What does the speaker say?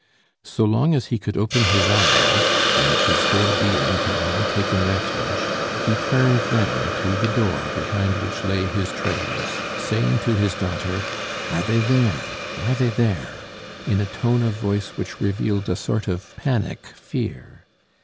So long as he could open his eyes, in which his whole being had now taken refuge, he turned them to the door behind which lay his treasures, saying to his daughter, "Are they there? are they there?" in a tone of voice which revealed a sort of panic fear.